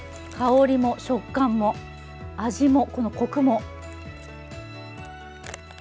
香りも食感も味も、このコクも。